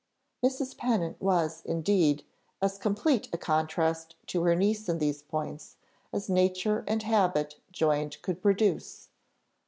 Mrs. Pennant was, indeed, as complete a contrast to her niece in these points, as nature and habit joined could produce.